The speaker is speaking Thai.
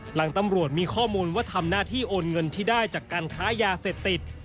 หลังตำรวจมีข้อมูลว่าทำหน้าที่โอนเงินที่ได้จากการค้ายาเสพติด